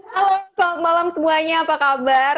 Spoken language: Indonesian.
halo selamat malam semuanya apa kabar